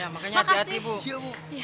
makasih ya dek ya